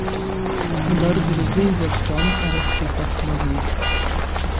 Kdor grozi, zastonj razsipa smodnik.